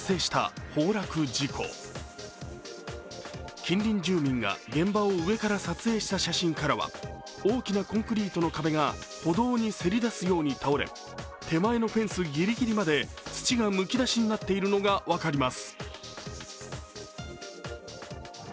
近隣住民が現場を上から撮影した写真からは大きなコンクリートの壁が歩道にせり出すように倒れ、手前のフェンスぎりぎりまで土がむき出しになっているのが分かります。